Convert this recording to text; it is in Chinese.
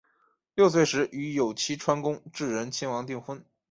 六岁时与有栖川宫炽仁亲王订婚。